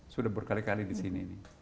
sudah berkali kali di sini